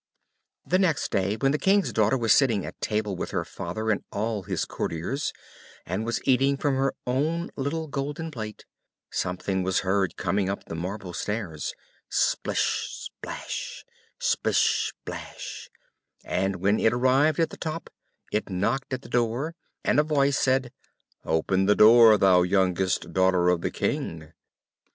The next day, when the King's daughter was sitting at table with her father and all his courtiers, and was eating from her own little golden plate, something was heard coming up the marble stairs, splish splash, splish splash; and when it arrived at the top, it knocked at the door, and a voice said, "Open the door, thou youngest daughter of the King!"